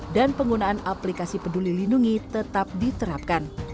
dan penggunaan aplikasi peduli lindungi tetap diterapkan